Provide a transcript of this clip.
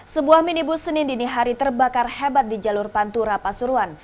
sebuah minibus senin dini hari terbakar hebat di jalur pantura pasuruan